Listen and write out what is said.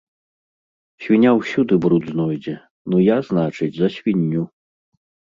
Свіння ўсюды бруд знойдзе, ну я, значыць, за свінню.